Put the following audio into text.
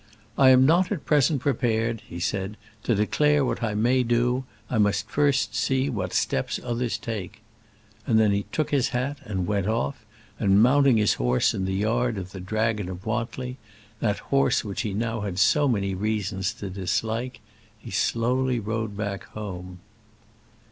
"I am not at present prepared," he said, "to declare what I may do; I must first see what steps others take." And then he took his hat and went off; and mounting his horse in the yard of the Dragon of Wantly that horse which he had now so many reasons to dislike he slowly rode back home.